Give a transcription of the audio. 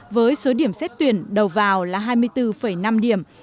với số điểm xét tuyển đầu vào là hai mươi bốn năm điểm